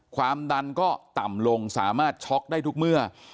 ความดันก็ต่ำลงสามารถช็อกได้ทุกเมื่อ